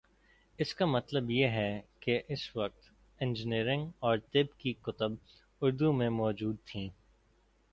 اس کا مطلب یہ ہے کہ اس وقت انجینئرنگ اور طب کی کتب اردو میں مو جود تھیں۔